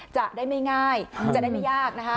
จะได้ไม่ง่ายจะได้ไม่ยากนะคะ